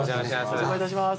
お願いします。